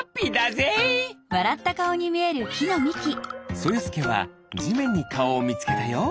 そよすけはじめんにかおをみつけたよ。